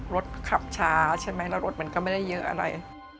รถขับช้าใช่ไหมแล้วรถมันก็ไม่ได้เยอะอะไร